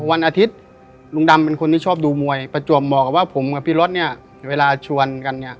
วันอาทิตย์ลุงดำเป็นคนที่ชอบดูมวยประจวบบอกกับว่าผมกับพี่รถเนี่ยเวลาชวนกันเนี่ย